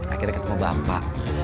akhirnya ketemu bapak